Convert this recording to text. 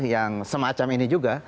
yang semacam ini juga